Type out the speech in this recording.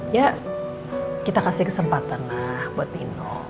ya kita kasih kesempatan lah buat dino